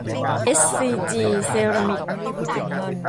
เอสซีจี เซรามิกส์